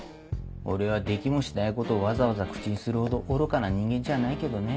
俺はできもしないことをわざわざ口にするほど愚かな人間じゃないけどね。